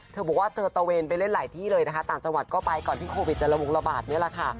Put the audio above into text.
เธอบอกว่าเธอตะเวนไปเล่นหลายที่เลยนะคะต่างจังหวัดก็ไปก่อนที่โควิดจะละวงระบาดนี่แหละค่ะ